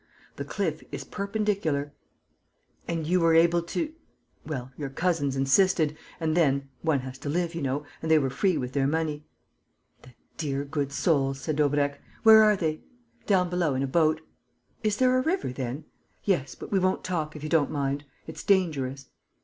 "The cliff is perpendicular." "And you were able to...." "Well, your cousins insisted.... And then one has to live, you know, and they were free with their money." "The dear, good souls!" said Daubrecq. "Where are they?" "Down below, in a boat." "Is there a river, then?" "Yes, but we won't talk, if you don't mind. It's dangerous."